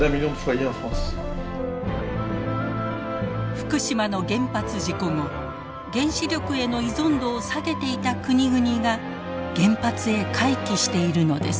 福島の原発事故後原子力への依存度を下げていた国々が原発へ回帰しているのです。